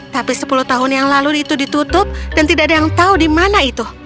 tapi sepuluh tahun yang lalu itu ditutup dan tidak ada yang tahu di mana itu